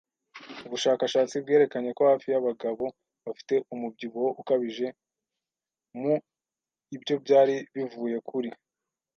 Ubushakashatsi bwerekanye ko hafi by'abagabo bafite umubyibuho ukabije mu Ibyo byari bivuye kuri